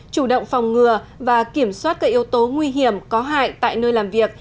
chủ động phòng ngừa và kiểm soát các yếu tố nguy hiểm có hại tại nơi làm việc